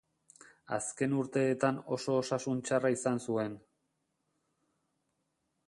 Azken urteetan oso osasun txarra izan zuen.